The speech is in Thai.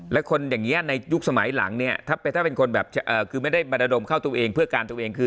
และคนอย่างนี้ในยุคสมัยหลังเนี่ยถ้าเป็นคนแบบคือไม่ได้มาระดมเข้าตัวเองเพื่อการตัวเองคือ